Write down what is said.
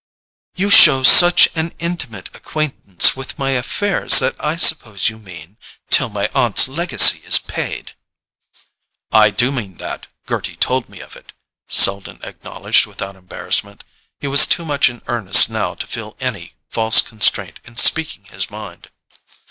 "You show such an intimate acquaintance with my affairs that I suppose you mean—till my aunt's legacy is paid?" "I do mean that; Gerty told me of it," Selden acknowledged without embarrassment. He was too much in earnest now to feel any false constraint in speaking his mind.